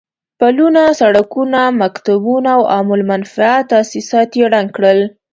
پلونه، سړکونه، مکتبونه او عام المنفعه تاسيسات يې ړنګ کړل.